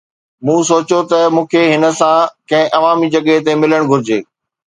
مون سوچيو ته مون کي هن سان ڪنهن عوامي جڳهه تي ملڻ گهرجي.